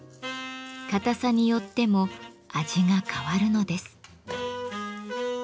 硬さによっても味が変わるのです。